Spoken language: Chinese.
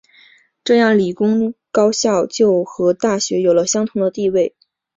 这样理工高校就和大学有了相同的地位。